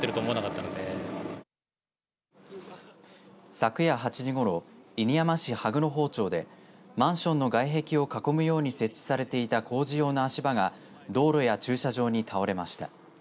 昨夜８時ごろ、犬山市羽黒鳳町でマンションの外壁を囲むように設置されていた工事用の足場が道路や駐車場に倒れました。